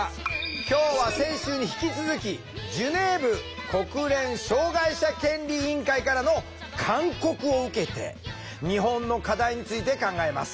今日は先週に引き続きジュネーブ国連障害者権利委員会からの勧告を受けて日本の課題について考えます。